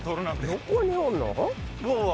どこにおるの？